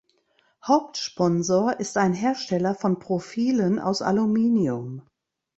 Hauptsponsor ist ein Hersteller von Profilen aus Aluminium.